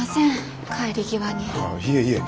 いえいえ。